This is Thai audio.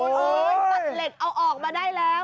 ตัดเหล็กเอาออกมาได้แล้ว